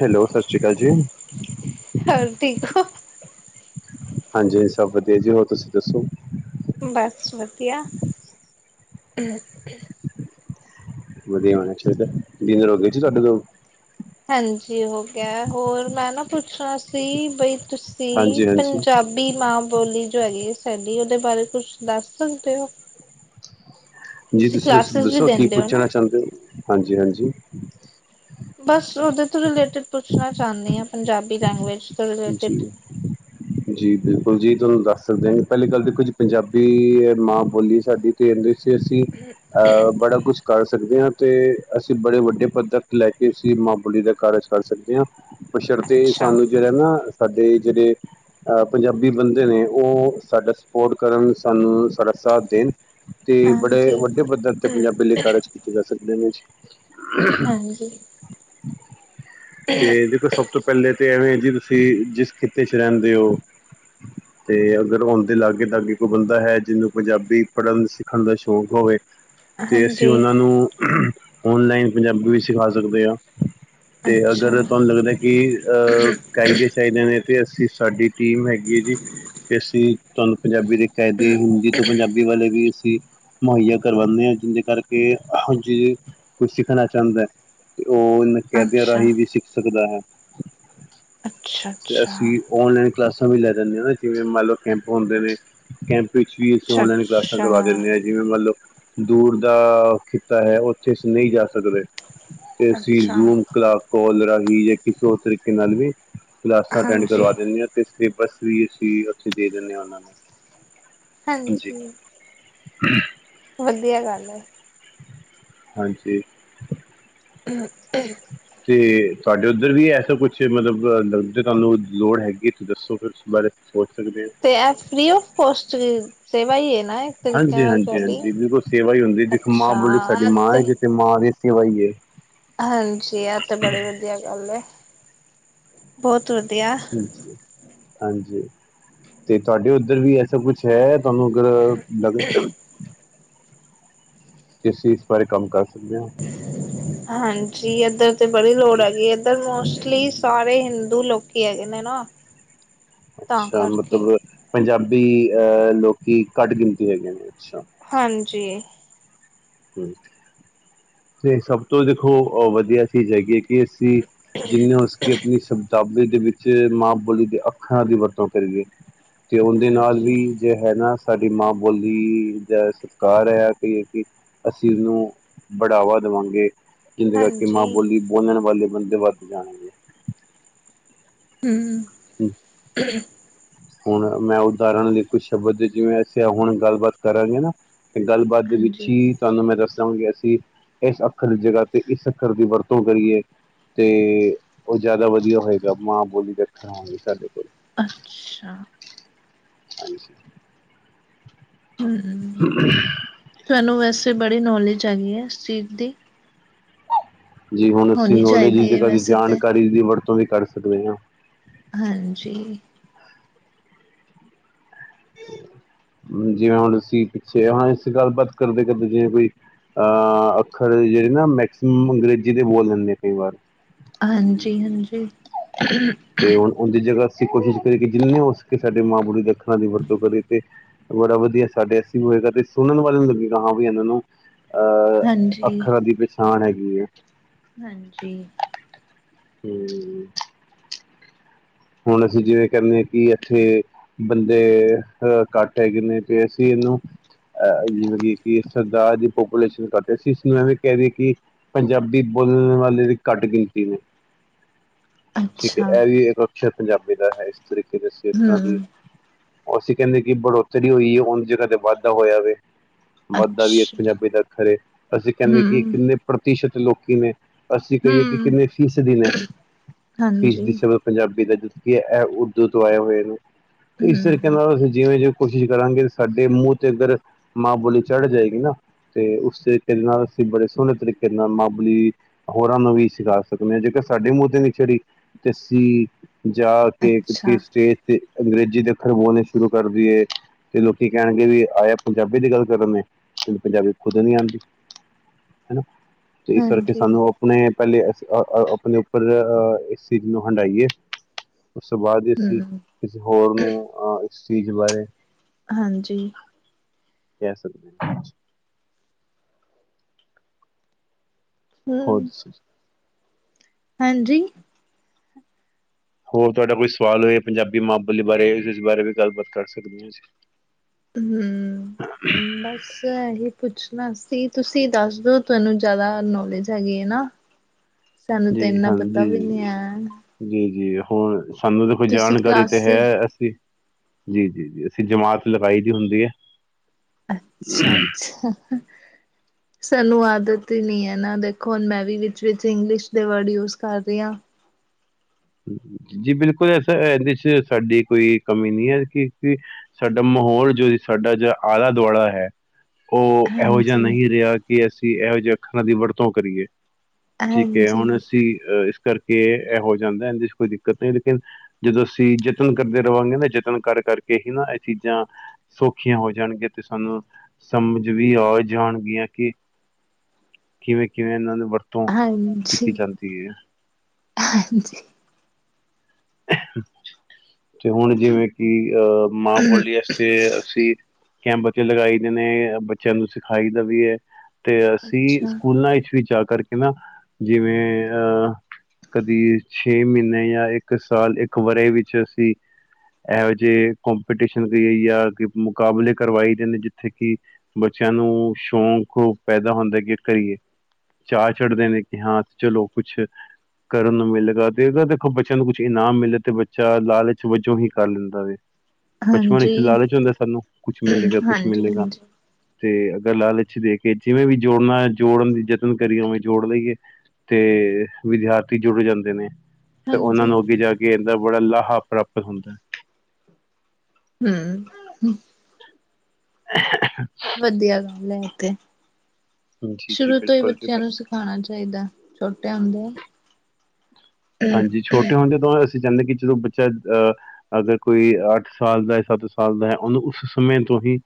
Hello ਸਤਿ ਸ਼੍ਰੀ ਅਕਾਲ ਜੀ ਹੋਰ ਠੀਕ ਹੋ ਹਾਂਜੀ ਹਾਂ ਸਭ ਵਧੀਆ ਜੀ ਹੋਰ ਤੁਸੀਂ ਦੱਸੋ ਬਸ ਵਧੀਆ [unintelligible] ਵਧੀਆ ਮ [unintelligible] ਹਾਂਜੀ ਹੋ ਗਿਆ ਹੋਰ ਮੈਂ ਨਾ ਪੁੱਛਣਾ ਸੀ ਬਈ ਤੁਸੀਂ ਹਾਂਜੀ ਹਾਂਜੀ ਪੰਜਾਬੀ ਮਾਂ ਬੋਲੀ ਜੋ ਹੈਗੀ ਏ ਨੀ ਉਹਦੇ ਬਾਰੇ ਕੁਛ ਦੱਸ ਸਕਦੇ ਹੋ ਜੀ ਤੁਸੀਂ ਦੱਸ ਕਲਾਸਿਸ ਵੀ ਦੱਸੋ ਕੀ ਦਿੰਦੇ ਹੋ ਨਾ ਪੁੱਛਣਾ ਚਾਹੁੰਦੇ ਹੋ ਹਾਂਜੀ ਹਾਂਜੀ ਬਸ ਉਹਦੇ ਤੋਂ ਰਿਲੇਟਿਡ ਪੁੱਛਣਾ ਚਾਹੁੰਦੀ ਹਾਂ ਪੰਜਾਬੀ ਲੈਂਗੁਏਜ ਤੋਂ ਰਿਲੇਟਿਡ [unintelligible] ਜੀ ਬਿਲਕੁਲ ਜੀ ਤੁਹਾਨੂੰ ਦੱਸ ਸਕਦੇ ਹ ਪਹਿਲੀ ਗੱਲ ਵੀ ਕੁੱਝ ਪੰਜਾਬੀ ਮਾਂ ਬੋਲੀ ਸਾਡੀ [inaudible] ਫ ਅਸੀਂ ਅਹ ਬੜਾ ਕੁਛ ਕਰ ਸਕ ਸਕਦੇ ਹਾਂ ਤੇ ਅਸੀਂ ਬੜੇ ਵੱਡੇ ਪੱਧਰ ਤੇ ਲੈ ਕੇ ਅਸੀਂ ਮਾਂ ਬੋਲੀ ਦਾ ਕਾਰਜ ਕਰ ਸਕਦੇ ਆਂ ਬਸ਼ਰਤੇ ਅੱਛਾ ਸਾਨੂੰ ਜਿਹੜਾ ਨਾ ਸਾਡੇ ਜਿਹੜੇ ਪੰਜਾਬੀ ਬੰਦੇ ਨੇ ਉਹ ਸਾਡਾ ਸਪੋਰਟ ਕਰਨ ਸਾਨੂੰ ਸਾਡਾ ਸਾਥ ਦੇਣ ਤੇ ਬੜੇ ਹਾਂਜੀ ਵੱਡੇ ਪੱਧਰ ਤੇ ਪੰਜਾਬੀ ਲਈ ਕਾਰਜ ਕੀਤੇ ਜਾ ਸਕਦੇ ਨੇ ਜੀ। ਹ [inaudible] ਹਾਂਜੀ ਤੇ ਦੇਖੋ ਸਭ ਤੋਂ ਪਹਿਲੇ ਤੇ ਐਵੇਂ ਜੀ ਤੇ ਤੁਸੀਂ ਜਿਸ ਖਿੱਤੇ 'ਚ ਰਹਿੰਦੇ ਹੋ ਤੇ ਅਗਰ ੳਂਦੇ ਲਾਗੇ ਦਾਗੇ ਕੋਈ ਬੰਦਾ ਹੈ ਜਿਹਨੂੰ ਪੰਜਾਬੀ ਪੜ੍ਹਨ ਸਿੱਖਣ ਦਾ ਸ਼ੌਂਕ ਹੋਵੇ। ਤੇ ਅਸੀਂ ਹਾਂਜੀ ਉਹਨਾਂ ਨੂੰ ਔਨਲਾਈਨ ਪੰਜਾਬੀ ਵੀ ਸਿਖਾ ਸਕਦੇ ਆ। ਤੇ ਅੱਛਾ ਅਗਰ ਤੁਹਾਨੂੰ ਲੱਗਦਾ ਕਿ ਅਹ ਫਾਇਦੇ ਚਾਹੀਦੇ ਨੇ ਤੇ ਤੇ ਅਸੀਂ ਸਾਡੀ ਟੀਮ ਹੈਗੀ ਹੈ ਜੀ ਤੇ ਅਸੀਂ ਤੁਹਾਨੂੰ ਪੰਜਾਬੀ ਦੀ ਕਹਿਦੇ ਹਿੰਦੀ ਤੋਂ ਪੰਜਾਬੀ ਵਾਲੇ ਵੀ ਅਸੀ ਮੁਹੱਈਆ ਕਰਵਾਉਂਦੇ ਹਾਂ ਜਿਹਦੇ ਕਰਕੇ ਹਾਂਜੀ ਕੁਛ ਸਿੱਖਣਾ ਚਾਹੁੰਦਾ ਹੈ। ੳਹ ਇਨ ਕੈਦਿਆ ਅੱਛਾ ਰਾਹੀ ਵੀ ਸਿਖ ਸਕਦਾ ਹੈ। ਅੱਛਾ ਤੇ ਅੱਛਾ ਅਸੀਂ ਔਨਲਾਇਨ ਕਲਾਸਾਂ ਵੀ ਲੈ ਜਾਂਦੀਆਂ ਨਾ ਜਿਵੇਂ ਮੰਨ ਲਓ ਕੈਂਪ ਹੁੰਦੇ ਨੇ, ਕੈਂਪ ਵਿੱਚ ਵੀ ਅਸੀ ਅੱਛਾ ਔਨਲਾਈਨ ਕਲਾਸਾਂ ਅੱਛਾ ਕਰਵਾ ਦਿੰਦੇ ਆਂ ਜਿਵੇਂ ਮੰਨਲਓ ਦੂਰ ਦਾ ਖਿੱਤਾ ਹੈ ਉੱਥੇ ਅਸੀ ਨਹੀਂ ਜਾ ਸਕਦੇ। ਤੇ ਅਸੀਂ ਅੱਛਾ ਜ਼ੂਮ ਕਲਾ ਕੋਲ ਰਾਹੀ ਵੀ ਜਾਂ ਕਿਸੇ ਹੋ ਤਰੀਕੇ ਨਾਲ ਵੀ, ਕਲਾਸਾਂ ਅਟੈਂਡ ਹਾਂਜੀ ਕਰਵਾ ਦਿੰਨੇ ਆਂ ਉਥੇ ਤੇ ਬੱਸ ਵੀ ਅਸੀਂ ਉੱਥੇ ਦੇ ਦਿੰਨੇ ਹਾਂ ਉਹਨਾਂ ਨੂੰ। ਹਾਂਜੀ ਵਧੀਆ ਗੱਲ, [unintelligible] ਹਾਂਜੀ, ਹੂੰ, ਤੇ ਤੁਹਾਡੇ ਉੱਧਰ ਵੀ ਐਸਾ ਕੁਛ ਮਤਲਬ ਲ ਜੇ ਤੁਹਾਨੂੰ ਲੋੜ ਹੈਗੀ ਤੁਸੀਂ ਦੱਸੋ ਫਿਰ ਉਸ ਬਾਰੇ। ਸੋਚ ਸਕਦੇ ਹਾਂ ਤੇ ਏ ਫ੍ਰੀ ਔਫ ਕੋਸਟ, ਸੇਵਾ ਹੀ ਹੈ। ਨਾ ਇੱਕ ਤਰੀਕੇ ਨਾਲ ਤੁਹਾਡੀ ਹਾਂਜੀ-ਹਾਂਜੀ-ਹਾਂਜੀ ਬਿਲਕੁਲ ਸੇਵਾ ਹੀ ਹੁੰਦੀ ਦੇਖੋ ਮਾਂ ਬੋਲੀ ਸਾਡੀ ਅੱਛਾ ਮਾਂ ਤੇ ਹੈ ਜਿੱਥੇ ਮਾਂ ਦੀ ਸੇਵਾ ਹੀ ਏ। ਹਾਂਜੀ ਆ ਤੇ ਬੜੀ ਵਧੀਆ ਗੱਲ ਏ। ਬਹੁਤ ਵਧੀਆ ਹਾਂਜੀ, ਤੇ ਤੁਹਾਡੇ ਉੱਧਰ ਵੀ ਇਸਾ ਕੁੱਛ ਹੈ? ਤੁਹਾਨੂੰ ਅਗਰ ਲਗ ਕਿਸ ਚੀਜ਼ ਪਰ ਕੰਮ ਕਰ ਸਕਦੇ ਹਾਂ ਹਾਂਜੀ, ਜੀ ਅਦ ਤੇ ਬੜੀ ਲੋੜ ਹੈ ਗਗੀ ਏਧਰ ਮੌਸਮ ਲਈ ਸਾਰੇ ਹਿੰਦੂ ਲੋਕੀ ਹੈਗੇ ਨੇ ਨਾ, ਤਾਂ ਅੱਛਾ ਕਰਕੇ ਮਤਲਬ ਪੰਜਾਬੀ? ਵੀ ਅਹ ਲੋਕੀ ਕੱਟ ਗਿਣਤੀ ਹੈਗੀਆਂ ਨੇ, ਅੱਛਾ ਹਾਂਜੀ, ਹੋਰ? ਤੇ ਸਭ ਤੋਂ ਦੇਖੋ ਵਧੀਆ ਚੀਜ਼ ਹੈਗੀ। ਐਸੀ ਜਿਨੇ ਉਸ ਆਪਣੀ ਸਤਾਬਿਕ, ਦੇ ਵਿੱਚ ਮਾਂ ਬੋਲੀ ਦੇ ਅੱਖਾਂ ਦੀ ਵਰਤੋਂ ਕਰੀਏ। ਅਤੇ ਉਹਦੇ ਨਾਲ ਹਾਂਜੀ ਵੀ ਜੇ ਹੈ ਨਾ, ਸਾਡੀ ਮਾਂ ਬੋਲੀ ਦਾ ਸਤਿਕਾਰ ਹੈ, ਤੇ ਕਿ ਅਸੀਂ ਉਹਨੂੰ ਬੜਾਵਾ ਦੇਉਗੇ। ਜ਼ਿੰਦਗਾ ਕਿ ਮਾਂ ਹਾਂਜੀ ਬੋਲੀ ਬੋਲਣ ਵਾਲੇ ਬੰਦੇ, ਵਦੀਆ ਨੇ ਹਮ [unintelligible] ਹੁਣ ਮੈਂ ਉਦਾਹਰਣ ਲਈ ਕੁਝ ਸ਼ਬਦ ਜਿਵੇਂ ਅਸੀਂ ਹੁਣ ਗੱਲਬਾਤ ਕਰਾਂਗੇ ਨਾ ਤੇ ਗੱਲਬਾਤ ਦੇ ਵਿੱਚ ਹਾਂਜੀ ਹੀ ਤੁਹਾਨੂੰ ਮੈਂ ਦੱਸ ਾਂਗੇ ਅਸੀਂ ਇਸ ਅੱਖਰ ਦੀ ਜਗ੍ਹਾ ਤੇ ਇਸ ਅੱਖਰ ਦੀ ਵਰਤੋਂ ਕਰੀਏ ਤੇ ਉਹ ਜ਼ਿਆਦਾ ਵਧੀਆ ਹੋਏਗਾ ਮਾਂ ਬੋਲੀ ਦਾ ਹਾਂਜੀ ਸਾਡੇ ਕੋਲ ਅੱਛਾ ਹਾਂਜੀ ਹਮ ਤੁਾਨੂੰ ਵਸ ਤੁ ਬੜੀ ਨੌਲੇਜ ਹੈ ਹੈਗੀ ਹੈ ਇਸ ਚੀਜ਼ ਦੀ ਜੀ ਹੁਣ ਅਸੀਂ ਹੋਣੀ ਨੌਲੇਜ ਚਾਹੀਦੀ ਹੈ ਜ੍ਹਾ ਦੀ ਵੈਸੇ ਤੇ ਜਾਣਕਾਰੀ ਦੀ ਵਰਤੋਂ ਕੱਢ ਸਕਦੇ ਹਾਂ ਹਾਂਜੀ ਜਿਵੇਂ ਹੁਣ ਅਸੀਂ ਪਿੱਛੇ ਹਣ ਗੱਲਬਾਤ ਕਰਦੇ ਕਰਦੇ ਜਿਵੇਂ ਕੋਈ ਅਹ ਅੱਖਰ ਜਿਹੜੇ ਨਾ ਮੈਕਸੀਮਮ ਅੰਗਰੇਜ਼ੀ ਦੇ ਬੋਲ ਲਿੰਦੇ ਆ ਕਈ ਵਾਰ ਹਾਂਜੀ ਹਾਂਜੀ ਤੇ ਹੁਣ ਉਹਦੀ ਜਗ੍ਹਾ ਅਸੀਂ ਕੋਸ਼ਿਸ਼ ਕਰੀ ਕਿ ਜਿੰਨੇ ਹੋ ਸਕੇ ਸਾਡੇ ਮਾਂ ਬੋਲੀ ਦਾ ਵਰਤੋ ਕਰੀ ਕੇ ਬੜਾ ਵਧੀਆ ਸਾਡੇ ਅਸੀਂ ਹੋਏਗਾ ਤੇ ਸੁਣਨ ਵਾਲੇ ਨੂੰ ਲੱਗੇਗਾ ਹਾਂ ਵੀ ਏਨੇ ਨਾ- ਅਹ ਹਾਂਜੀ, ਅੱਖਰਾਂ ਦੀ ਪਛਾਣ ਹੈਗੀ। ਹੈ ਹਾਂਜੀ ਹੂੰ ਹੁਣ ਅਸੀਂ ਜਿਵੇਂ ਕੈਨੇ ਕੀ ਇੱਥੇ ਬੰਦੇ ਅਹ ਘੱਟ ਹੈਗੇ ਨੇ। ਤੇ ਅਸੀਂ ਏਨੂੰ ਅਹ ਜਿਵੇਂ ਕੀ ਕੀ ਸਰਦਾਰ ਦੀ ਪਾਪੂਲੇਸ਼ਨ ਘੱਟ, ਅਸੀਂ ਇਸਨੂੰ ਐਵੇਂ ਕੈਦੀਏ ਕੀ ਪੰਜਾਬੀ ਬੋਲਣ ਵਾਲੇ ਦੀ ਘੱਟ ਗਿਣਤੀ ਵੇ। ਠੀਕ ਏ ਅੱਛਾ। ਐਵੀ ਏਕ ਪੰਜਾਬੀ ਦਾ ਐ ਇਸ ਤਰੀਕੇ ਦੇ ਸਿੱਖਾਂ ਦੀ। ਹੂੰ, ਅਸੀਂ ਕੇਨੇ ਕੀ ਬੜੋਤਰੀ ਹੋਈ ਏ। ਉਦੀ ਜਗ੍ਹਾ ਤੇ ਵਾਧਾ ਹੋਇਆ ਵੇ। ਵਾਧਾ ਵੀ ਇੱਕ ਅੱਛਾ, ਪੰਜਾਬੀ ਦਾ ਅਖਰ ਏ। ਅਸੀਂ ਕੇਨੇ ਹੂੰ, ਕੀ ਕਿੰਨੇ ਪ੍ਰਤੀਸ਼ਤ- ਲੋਕੀ ਨੇ ਅਸੀਂ ਕਈਏ ਕੀ ਹੂੰ, ਕਿੰਨੇ ਫੀਸਦੀ ਨੇ। ਹਾਂਜੀ। ਫੀਸਦੀ ਸਿਰਫ ਪੰਜਾਬੀ- ਕੀਐ ਜਦ ਕੀ ਐ ਉਰਦੂ ਤੋਂ ਆਏ ਹੋਏ ਨੇ। ਤੇ ਇਸ ਤਰੀਕੇ ਹੂੰ, ਨਾਲ ਅਸੀ ਜਿਵੇਂ ਜਿਵੇਂ- ਕੋਸ਼ਿਸ਼ ਕਰਾਂਗੇ ਸਾਡੇ ਮੂੰਹ ਤੇ ਅਗਰ ਮਾਂ ਬੋਲੀ ਚੜ ਜਾਏਗੀ ਨਾ ਤੇ ਉਸੇ ਤਰੀ ਨਾਲ ਅਸੀਂ ਬੜੇ ਸੋਹਣੇ ਤਰੀਕੇ ਨਾਲ ਮਾਂ ਬੋਲੀ ਹੋਰਾਂ ਨੂੰ ਵੀ ਸਿਖਾ ਸਕਨੇ। ਜੇਕਰ ਸਾਡੇ ਮੂੰਹ ਤੇ ਨੀ ਚੜ੍ਹੀ ਤੇ ਅਸੀਂ- ਜਾ ਕੇ ਅੱਛਾ, ਤੁਸੀ ਸਟੇਜ ਤੇ- ਅੰਗਰੇਜ਼ੀ ਦੇ ਅੱਖਰ ਬੋਲਣੇ ਸ਼ੁਰੂ ਕਰਦੀਏ। ਤੇ ਲੋਕੀ ਕਹਿਣਗੇ ਵੀ ਆਇਆ ਪੰਜਾਬੀ ਦੀ ਗੱਲ ਕਰਨੇ ਪੰਜਾਬੀ ਖੁਦ ਨੀ ਆਂਦੀ ਹਨਾ ਤੇ ਇਸ ਕਰਕੇ ਹਾਂਜੀ, ਸਾਨੂੰ ਆਪਣੇ- ਪੈਲੇ ਆ ਆ ਆਪਣੇ ਉਪਰ ਅਹ ਏਸ ਚੀਜ਼ ਨੂੰ ਹੰਢਾਈਏ। ਉਸ ਤੋਂ ਬਾਅਦ ਈ ਅਸੀਂ ਹੂੰ, ਕਿਸੇ ਹੋਰ ਨੂੰ ਅਹ- ਚੀਜ਼ ਬਾਰੇ ਹਾਂਜੀ ਕੈ ਸਕਦੇ। ਹੋਰ ਹੂੰ, ਦੱਸੋ ਜੀ। ਹਾਂਜੀ ਹੋਰ ਤੁਹਾਡਾ ਕੋਈ ਸਵਾਲ ਹੋਏ ਪੰਜਾਬੀ ਮਾਂ ਬੋਲੀ ਬਾਰੇ ਉਸ ਬਾਰੇ ਵੀ ਗੱਲਬਾਤ ਕਰ ਸਕਦੇ। ਅਸੀਂ ਹੂੰਅ-ਬਸ ਇਹੀ ਪੁੱਛ- ਬਸ ਜੀ ਤੁਸੀਂ ਦੱਸ ਦੋ ਤੁਆਨੂੰ ਜ਼ਾਦਾ ਨੌਲੇਜ ਹੈਗੀ ਏ ਨਾ। ਸਾਨੂੰ ਤੇ ਜੀ ਇਨਾ ਪਤਾ ਵੀ ਨੀ ਐ। ਹੋਰ ਸਾਨੂੰ ਦੇਖੋ ਜਾਣਕਾਰੀ ਤੇ ਹੈ ਅਸੀਂ- ਜੀ, ਜੀ -ਜੀ ਅਸੀਂ ਜਮਾਤ ਲਗਾਈ ਦੀ ਹੁੰਦੀ ਐ। ਅੱਛਾ ਅੱਛਾ-ਹਾਹਾ ਸਾਨੂੰ ਆਦਤ ਈ ਨੀ ਐ ਨਾ। ਦੇਖੋ -ਹੁਣ ਮੈਂ ਵੀ ਵਿੱਚ ਵਿਚ ਇੰਗਲਿਸ਼ ਦੇ ਵਰਡ ਯੂਜ ਕਰ ਰੀ ਆਂ। ਜੀ ਬਿਲਕੁਲ ਇਸਸ ਇਹਦੇ ਚ ਸਾਡੀ ਕੋਈ ਕਮੀ ਨਹੀਂ ਹੈ ਕਿਉਕਿ ਸਾਡਾ ਮਾਹੌਲ ਜੋ ਸਾਡਾ ਜ ਆਲਾ ਦੁਆਲਾ ਹੈ ਉਹ ਇਹੋ ਜਿਹਾ ਹਾਂਜੀ, ਨਹੀਂ ਰਿਹਾ ਕਿ ਅਸੀਂ ਇਹੋ ਜਿਹਾ ੱਖਾਂ ਦੀ ਵਰਤੋਂ ਕਰੀਏ ਠੀਕ ਹੈ ਹਾਂਜੀ, ਹੁਣ ਅਸੀਂ ਅ ਕਰਕੇ ਇਹੋ ਜਿ ਜਾਂਦਾ ਇਹਦੇ ਚ ਕੋਈ ਦਿੱਕਤ ਨਹੀਂ ਲੇਕਿਨ ਜਦੋਂ ਅਸੀਂ ਯਤਨ ਕਰਦੇ ਰਹਾਂਗੇ ਨਾ ਯਤਨ ਕਰ ਕਰਕੇ ਹੀ ਨਾ ਇਹ ਚੀਜ਼ਾਂ ਸੌਖੀਆਂ ਹੋ ਜਾਣਗੀਆਂ ਤੇ ਸਾਨੂੰ ਸਮਝ ਵੀ ਆ ਜਾਣਗੀਆਂ ਕਿ ਕਿਵੇਂ ਕਿਵੇਂ ਇਹਨਾਂ ਨੂੰ ਵਰਤ ਹਾਂਾਂਜੀ ਹਾਂਜੀ ਤੇ ਹੁਣ ਜਿਵੇਂ ਕਿ ਅਹ ਮਾਂ ਬੋਲੀ ਵਾਸਤੇ ਅਸੀਂ ਕ ਬੱਚੇ ਲਗਾਈ ਦੇ ਨੇ ਬੱਚਿਆਂ ਨੂੰ ਸਿਖਾਈ ਦਾ ਵੀ ਹੈ ਤੇ ਅਸੀਂ ਅੱਛਾ, ਸਕੂਲਾਂ ਵਿੱਚ ਵੀ ਜਾ ਕਰਕੇ ਨਾ ਜਿਵੇਂ ਅਹ ਕਦੀ ਛੇ ਮਹੀਨੇ ਜਾਂ ਇੱਕ ਇੱਕ ਸਾਲ ਇੱਕ ਵਰ੍ਹ ਵਿੱਚ ਅਸੀਂ ਇਹੋ ਜਿਹੇ ਕਪੀਟੀਸ਼ਨ ਕਰਏ ਮੁਕਾਬਲੇ ਕਰਵਾਈਦੇ ਜਿੱਥੇ ਕਿ ਬੱਚਿਆਂ ਨੂੰ ਸ਼ੌਕ ਪੈਦਾ ਹੁੰਦਾ ਕਿ ਕਰੀਏ ਚਾ ਚੜਦੇ ਨੇ ਕਿ ਹਾਂ ਚਲੋ ਕੁਛ ਕਰਨ ਨੂੰ ਮਿਲਗਾ ਤੇ ਉਹਦਾ ਦੇਖੋ ਬੱਚਿਆਂ ਨੂੰ ਕੁਛ ਇਨਾਮ ਮਿਲੇ ਤੇ ਬੱਚਾ ਲਾਲਚ ਵਜੋਂ ਹੀ ਕਰ ਲੈਂਦਾ ਵ ਬਚਪ ਹਾਂਜੀ, ਇੱਥੇ ਲਾਲਚ ਹੁੰਦਾ ਸਾਨੂੰ ਕੁਛ ਮਿਲੇਗਾ ਕੁਛ ਹਾਂਜੀ, ਮਿਲੇਗਾ ਹਾਂਜੀ, ਤੇ ਅਗਰ ਲਾਲਛ ਦੇ ਕੇ ਜਿਵੇਂ ਵੀ ਜੋੜਨਾ ਜੋੜਨ ਦੀ ਯਤਨ ਕਰੀਏ ਉਵੇਂ ਜੋੜ ਲਈਏ ਤੇ ਵਿਦਿਆਰਥੀ ਜੁੜ ਜਾਂਦੇ ਨੇ ਫਿਰ ਉਹਨਾਂ ਹਾਂਜੀ। ਨੂੰ ਅੱਗੇ ਜਾ ਕੇ ਦਾ ਬੜਾ ਲਾਹਾ ਪ੍ਰਾਪਤ ਹੁੰਦਾ ਹੈ ਹਮ ਵਧੀਆ ਗੱਲ ਹੈ ਤੇ ਜੀ ਜੀ ਸ਼ੁਰੂ ਤੋਂ ਹੀ ਬਿਲਕੁਲ ਜੀ ਬੱਚਿਆਂ ਨੂੰ ਬਸ ਸਿਖਾਉਣਾ ਚਾਹੀਦਾ ਛੋਟੇ ਹੁੰਦੇ ਆ ਹਾਂਜੀ ਛੋਟੇ ਹੁੰਦੇ ਤੋਂ ਅਸੀਂ ਚਾਹੁੰਦੇ ਕਿ ਜਦੋਂ ਬੱਚਾ ਅਹ ਅਗਰ ਕੋਈ ਅੱਠ ਸਾਲ ਦਾ ਸੱਤ ਸਾਲ ਦਾ ਹੈ ਉਹਨੂੰ ਉਸ ਸਮੇਂ ਤੋਂ ਹੀ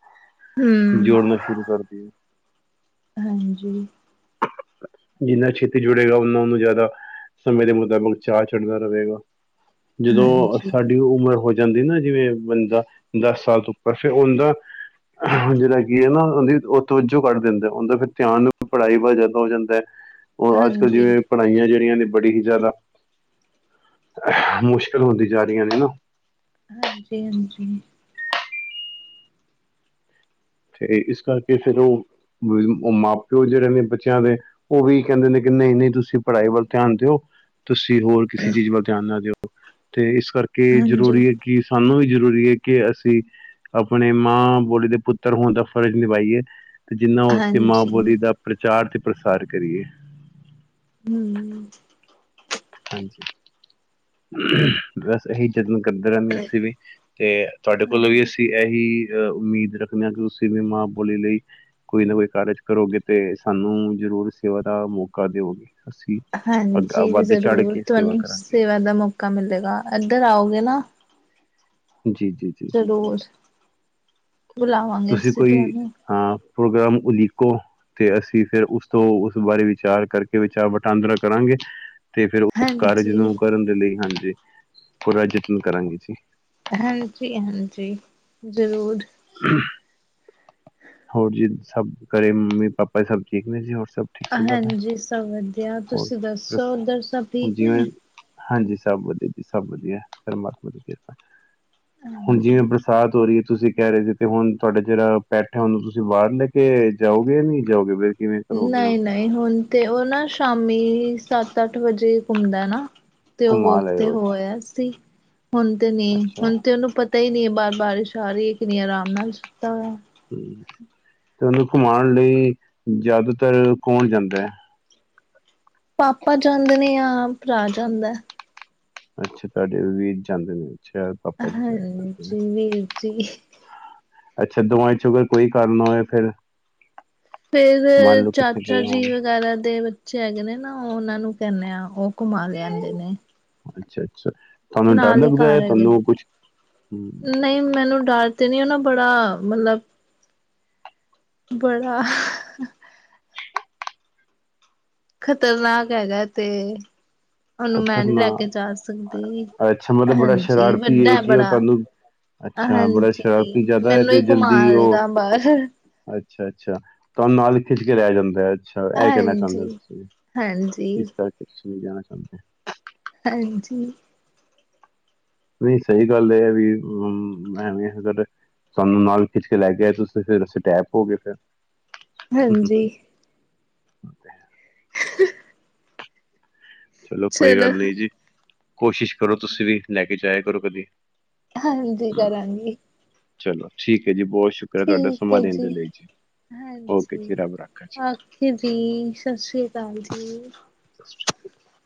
ਹੂੰ, ਜੋੜਨਾ ਸ਼ੁਰੂ ਕਰਦੀ ਹੈ ਹਾਂਜੀ ਜਿੰਨਾ ਛੇਤੀ ਜੁੜੇਗਾ ਓਨਾ ਉਹਨੂੰ ਜ਼ਿਆਦਾ ਸਮੇਂ ਦੇ ਮੁਤਾਬਿਕ ਚਾਹ ਚੜਦਾ ਰਹੇਗਾ ਜਦੋਂ ਹਾਂਜੀ, ਹਾਂਜੀ। ਸਾਡੀ ਉਮਰ ਹੋ ਜਾਂਦੀ ਨਾ ਜਿਵੇਂ ਬੰਦਾ ਦਸ ਸਾਲ ਤੋਂ ਉੱਪਰ ਫੇਿਰ ਉਹਦਾ ਜਿਹੜਾ ਕੀ ਹੈ ਨਾ ਉਹਦੀ ਉ ਤਵੱਜੋ ਕੱਢ ਦਿੰਦਾ ਉਹਦਾ ਫਿਰ ਧਿਆਨ ਪੜ੍ਹਾਈ ਵ ਜਿਆਦਦਾ ਹੋ ਜਾਂਦਾ ਹੈ ਉਹ ਅੱਜਕਲ ਹਾਂਜੀ, ਜਿਵੇਂ ਹਾਂਜੀ, ਪੜ੍ਹਾਈਆਂ ਜਿਹੜੀਆਂ ਨੇ ਬੜੀ ਹੀ ਜ਼ਿਆਦਾ ਮੁਸ਼ਕਿਲ ਹੁੰਦੀ ਜਾ ਰਹੀਆਂ ਨੇ ਨਾ ਹਾਂਜੀ ਹਾਂਜੀ ਤੇ ਇਸ ਕਰਕੇ ਫਿਰ ਉਹ ਮਾਂ ਪਿਓ ਜਿਹੜੇ ਨੇ ਬੱਚਿਆਂ ਦੇ ਉਹ ਵੀ ਕਹਿੰਦੇ ਨੇ ਕਿ ਨਹੀਂ ਨਹੀਂ ਤੁਸੀਂ ਪੜ੍ਹਾਈ ਵੱਲ ਧਿਆਨ ਦਿਓ ਤੁਸੀਂ ਹੋਰ ਕਿਸੇ ਚੀਜ਼ ਵੱਲ ਧਿਆਨ ਨਾ ਦਿਓ ਤੇ ਇਸ ਕਰਕੇ ਹਾਂਜੀ। ਜ਼ਰੂਰੀ ਹੈ ਕਿ ਸਾਨੂੰ ਜ਼ਰੂਰੀ ਹੈ ਕਿ ਅਸੀਂ ਆਪਣੇ ਮਾਂ ਬੋਲੀ ਦੇ ਪੁੱਤਰ ਪੁੱਤਰ ਹੁਣ ਦਾ ਫਰਜ਼ ਨਿਭਾਈਏ ਤੇ ਜਿੰਨਾ ਉਸ ਮਾਂ ਬੋਲੀ ਦਾ ਪ੍ਰਚਾਰ ਤੇ ਪ੍ਰਸਾਰ ਕਰੀਏ ਹਮ ਹਾਂਜੀ ਬਸ ਇਹੀ ਜਤ ਕਰਦੇ ਰਹਿੰਦੇ ਅਸੀਂ ਵੀ ਤੇ ਤੁਹਾਡੇ ਕੋਲ ਵੀ ਹਾਂਜੀ। ਅਸੀਂ ਇਹੀ ਐ ਉਮੀਦ ਰੱਖਦੇ ਹਾਂ ਕਿ ਤੁਸੀਂ ਵੀ ਮਾਂ ਬੋਲੀ ਲਈ ਕੋਈ ਨਾ ਕੋਈ ਕਾਰਜ ਕਰੋਗੇ ਤੇ ਸਾਨੂੰ ਜ਼ਰੂਰ ਸੇਵਾ ਦਾ ਮੌਕਾ ਦੇਵੋਗੇ ਹਾਂਜੀ ਜ਼ਰੂਰ ਕੇ ਸੇਵਾ ਤੁਹਾਨੂੰ ਕਰਾਂਗੇ ਸੇਵਾ ਦਾ ਮੌਕਾ ਮਿਲੇਗਾ ਇੱਧਰ ਆਓਗੇ ਨਾ ਜੀ ਜੀ ਜੀ ਜ਼ਰੂਰ ਬੁਲਾਵਾਂਗੇ ਤੁਸੀਂ ਅਸੀਂ ਕੋਈ ਤੁਹਾਨੂੰ ਹਾਂ ਪ੍ਰੋਗਰਾਮ ਉਲੀਕੋ ਤੇ ਅਸੀਂ ਫਿਰ ਉਸ ਤੋਂ ਉਸ ਬਾਰੇ ਵਿਚਾਰ ਕਰਕੇ ਵਿਚਾਰ ਵਟਾਂਦਰਾ ਕਰਾਂਗੇ ਤੇ ਫੇਰ ਉਸ ਕਾਰਜ ਨੂੰ ਹਾਂਜੀ ਕਰਨ ਦੇ ਲਈ ਹਾਂਜੀ ਪੂਰਾ ਯਤਨ ਕਰਾਂਗੇ ਜੀ ਹਾਂਜੀ ਹਾਂਜੀ ਜ਼ਰੂਰ ਹ ਹੋਰ ਜੀ ਸਭ ਘਰੇ ਮੰਮੀ ਪਾਪਾ ਸਭ ਠੀਕ ਨੇ ਜੀ ਹੋਰ ਸਭ ਠੀਕ ਚੱਲਦਾ ਪਿਆ ਹਾਂਜੀ ਸਭ ਵਧੀਆ ਹੋਰ ਤੁਸੀਂ ਦੱਸੋ ਦੱਸ ਉਧਰ ਸਭ ਹੁਣ ਠੀਕ ਜਿਵੇਂ ਨੇ ਹਾਂਜੀ ਸਭ ਵਧੀਆ ਜੀ ਸਭ ਵਧੀਆ ਕਿਰਪਾ ਹੁਣ ਜਿਵੇਂ ਹਾਂਜੀ ਬਰਸਾਤ ਹੋ ਰਹੀ ਹੈ ਤੁਸੀਂ ਕਹਿ ਰਹੇ ਸੀ ਤੇ ਹੁਣ ਤੁਹਾਡੇ ਜਿਹੜਾ ਬੈਠਾ ਹੈ ਉਹਨੂੰ ਤੁਸੀਂ ਬਾਹਰ ਲੈ ਕੇ ਜਾਓਗੇ ਨਹੀਂ ਜਾਓਗੇ ਕਿਵੇਂ ਕਰੋਗੇ ਹੁਣ ਨਹੀਂ ਨਹੀਂ ਹੁਣ ਤੇ ਉਹ ਨਾ ਸ਼ਾਮ ਮੰਮੀ ਸੱਤ ਅੱਠ ਵਜੇ ਘੁੰਮਦਾ ਹੈ ਨਾ ਤੇ ਉਹ ਵੋ ਘੁਮਾ ਲਏ ਤੇ ਹੋ ਅੱਛਾ ਆਇਆ ਸੀ ਹੁਣ ਤੇ ਨੀ ਅੱਛਾ ਹੁਣ ਤੇ ਉਹਨੂੰ ਪਤਾ ਹੀ ਨਹੀਂ ਬਾਰ ਬਾਰਿਸ਼ ਆ ਰਹੀ ਹੈ ਕਿੰਨੀ ਆਰਾਮ ਨਾਲ ਹ ਹਮ ਤੇ ਉਹਨੂੰ ਘੁਮਾਉਣ ਲਈ ਜ਼ਿਆਦਾਤਰ ਕੌਣ ਜਾਂਦਾ ਹੈ। ਪਾਪਾ ਜਾਂਦੇ ਨੇ ਆ ਭਰਾ ਜਾਂਦਾ ਅੱਛਾ ਤੁਹਾਡੇ ਵੀਰ ਜਾਂਦੇ ਨੇ ਅੱਛਾ ਪਾਪਾ ਜੀ ਜਾਇਆ ਕਰਦੇ ਨੇ ਹਾਂਜੀ ਵੀਰ ਜੀ ਅੱਛਾ ਦਵਾਈ ਚੋਂਗ ਕੋਈ ਕਾਰਨ ਹੋਆ ਫਿਰ ਫੇਰ ਮੰਨ ਲਓ ਕਿੱਥੇ ਚਾਚਾ ਗਏ ਜੀ ਹੋਣ ਵਗੈਰਾ ਦੇ ਬੱਚੇ ਹੈਗੇ ਨੇ ਨਾਓਨਾਂ ਨੂੰ ਕਰ ਆ ਉਹ ਘੁਮਾ ਲਿਆਂਦੇ ਨੇ ਅੱਛਾ ਤੁਹਾਨੂੰ ਡਰ ਨਾਲ ਹੀ ਲੱਗਦਾ ਹੈ ਘਰ ਹੈਗੇ ਤੁਹਾਨੂੰ ਨੇ ਕੁਛ ਹਮ ਨਹੀਂ ਮੈਨੂੰ ਡਰ ਤੇ ਨੀ ਉਹ ਨਾ ਬੜਾ ਮਤਲਬ ਬੜਾ ਖਤਰਨਾਕ ਹੈਗਾ ਤੇ ਉਹਨੂੰ ਮੈਂ ਨੀ ਲੈ ਕੇ ਜਾ ਖਤਰਨਾਕ ਸਕਦੀ ਅੱਛਾ ਮਤਲਬ ਬੜਾ ਹਾਂਜੀ ਸ਼ਰਾਰਤੀ ਹੈ ਵੱਡਾ ਕਿ ਉਹ ਬੜਾ ਤੁਹਾਨੂੰ ਅੱਛਾ ਬੜਾ ਹਾਂਜੀ ਸ਼ਰਾਰਤੀ ਜ਼ਿਆਦਾ ਹੈ ਮੈਨੂੰ ਤੇ ਹੀ ਘੁਮਾ ਜਲਦੀ ਉਹ ਲਏਗਾ ਬਾਹਰ ਅੱਛਾ ਅੱਛਾ ਤੁਹੂੰ ਨਾਲ ਖਿੱਚ ਕੇ ਲਿਆਆ ਜਾਂਦਾ ਹੈ ਅੱਛਾ ਇਹ ਕਹਿਣਾ ਚਾਹੁੰਦੇ ਹਾਂਜੀ ਹੋ ਤੁਸੀਂ ਹਾਂਜੀ ਇਸ ਕਰਕੇ ਜਾਣਾ ਹਾਂਜੀ ਨਹੀਂ ਸਹੀ ਗੱਲ ਇਹ ਹੈ ਵੀ ਐਵੇਂ ਅਗਰ ਤੁਹਾਨੂੰ ਨਾਲ ਖਿੱਚ ਕੇ ਲੈ ਕੇ ਤੁਸੀਂ ਫਿਰ ਸਟੈਪ ਹੋ ਗਏ ਫਿਰ ਹਾਂਜੀ ਤੇ ਹੈ ਹ ਚਲੋ ਕੋਈ ਗੱਲ ਨੀ ਜੀ ਕੋਸ਼ਿਸ਼ ਕਰੋ ਤੁਸੀਂ ਵੀ ਲੈ ਕੇ ਜਾਇਆ ਕਰੋ ਕਦੀ ਹਾਂਜੀ ਹਮ, ਕਰਾਂਗੀ ਚਲੋ ਠੀਕ ਹੈ ਜੀ ਬਹੁਤ ਸ਼ੁਕਰ ਹੈ ਤੁਹਾਡਾ ਠੀਕ ਹੈ ਸਮਾਂ ਦੇਣ ਜੀ ਦੇ ਲਈ ਓਕੇ ਹਾਂਜੀ ਜੀ ਰੱਬ ਰਾਖਾ ਜੀ ਆਖੇ ਜੀ ਸਤਿ ਸ੍ਰੀ ਅਕਾਲ ਜੀ ਸਤਿ ਸ਼੍ਰੀ ਅਕਾਲ